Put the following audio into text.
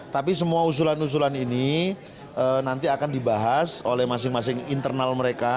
tapi semua usulan usulan ini nanti akan dibahas oleh masing masing internal mereka